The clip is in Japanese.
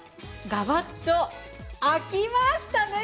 ガバッと開きましたね。